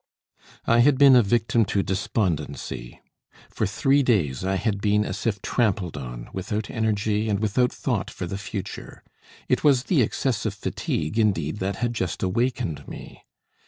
I had been a victim to despondency. For three days I had been as if trampled on, without energy and without thought for the future. It was the excessive fatigue, indeed, that had just awakened me.